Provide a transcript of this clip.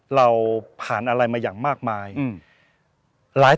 เราผ่านอะไรมาอย่างมากมาย